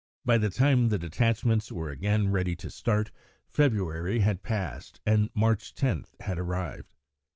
By the time the detachments were again ready to start, February had passed and March 10 had arrived.